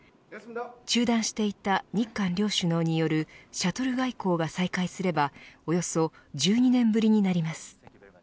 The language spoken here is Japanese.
中断していた日韓両首脳によるシャトル外交が再開すればおよそ１２年ぶりになります。